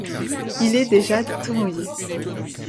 Il est déjà tout mouillé.